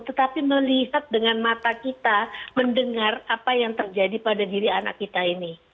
tetapi melihat dengan mata kita mendengar apa yang terjadi pada diri anak kita ini